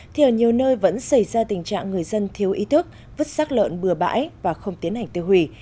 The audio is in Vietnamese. thì ở nhiều nơi vẫn xảy ra tình trạng người dân thiếu ý thức vứt sát lợn bừa bãi và không tiến hành tiêu hủy